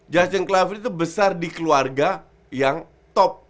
justin clovery itu besar di keluarga yang top